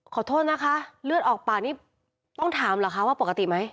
ขอโทษนะคะเลือดออกปากนี่ต้องถามเหรอคะว่าปกติไหม